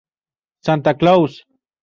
Santa Claus".